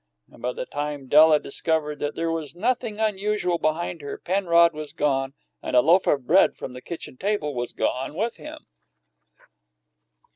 and by the time Della discovered that there was nothing unusual behind her, Penrod was gone, and a loaf of bread from the kitchen table was gone with him.